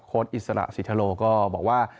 โค้ดอิสระสิทธโรก็บอกว่า